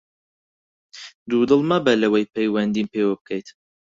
دوودڵ مەبە لەوەی پەیوەندیم پێوە بکەیت!